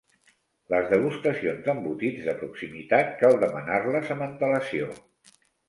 Les degustacions d'embotits de proximitat cal demanar-les amb antelació.